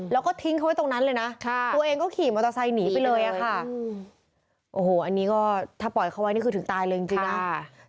แล้วก็ทิ้งเขาไว้ตรงนั้นเลยนะตัวเองก็ขี่มอเตอร์ไซค์หนีไปเลยอะค่ะโอ้โหอันนี้ก็ถ้าปล่อยเขาไว้นี่คือถึงตายเลยจริงนะ